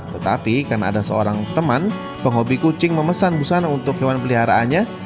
tetapi karena ada seorang teman penghobi kucing memesan busana untuk hewan peliharaannya